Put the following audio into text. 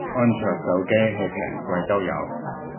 安卓手機係平貴都有